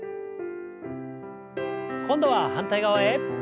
今度は反対側へ。